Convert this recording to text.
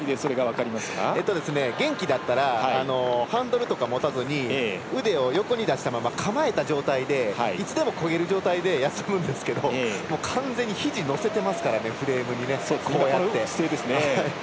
元気だったらハンドルとか持たずに腕を横に出したまま構えた状態でいつでもこげる状態で休むんですけど完全に肘を乗せてますからねフレームに。